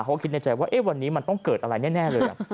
เขาคิดในใจว่าวันนี้มันต้องเกิดอะไรแน่เลย